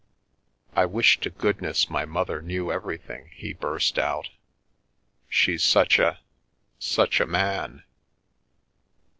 " I wish to goodness my mother knew everything," he burst out, " she's such a — such a man.